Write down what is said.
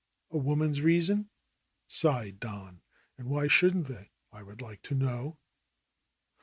"A woman's reason/' sighed Don. "And why shouldn't they, I would like to know